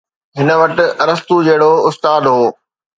هن وٽ ارسطو جهڙو استاد هو